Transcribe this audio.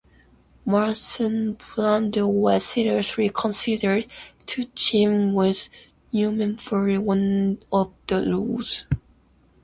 Marlon Brando was seriously considered to team with Newman for one of the roles.